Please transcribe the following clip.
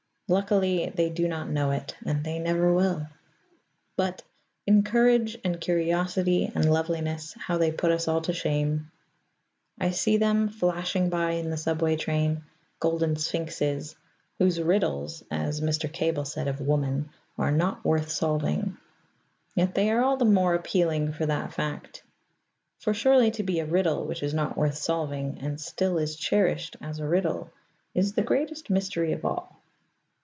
Luckily, they do not know it, and they never will. But in courage, and curiosity, and loveliness, how they put us all to shame. I see them, flashing by in a subway train, golden sphinxes, whose riddles (as Mr. Cabell said of Woman) are not worth solving. Yet they are all the more appealing for that fact. For surely to be a riddle which is not worth solving, and still is cherished as a riddle, is the greatest mystery of all.